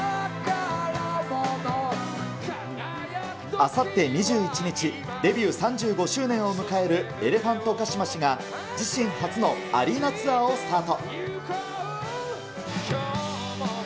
あさって２１日、デビュー３５周年を迎えるエレファントカシマシが自身初のアリーナツアーをスタート。